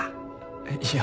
えっいや